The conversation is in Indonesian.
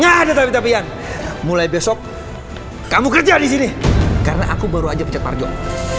gak ada tapi tapian mulai besok kamu kerja disini karena aku baru aja pijak parjok